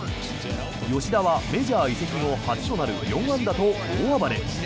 吉田はメジャー移籍後初となる４安打と大暴れ。